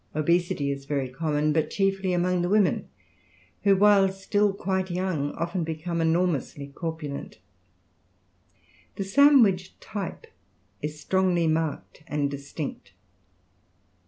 Obesity is very common, but chiefly among the women, who while still quite young often become enormously corpulent. The Sandwich type is strongly marked and distinct.